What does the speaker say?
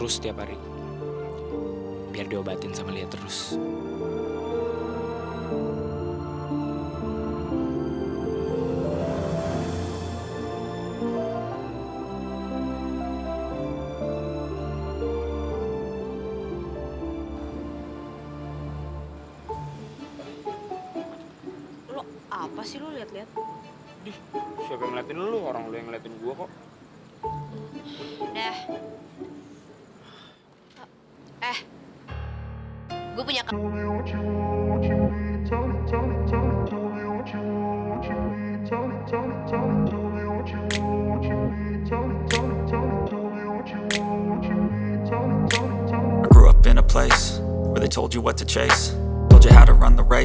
sampai jumpa di video selanjutnya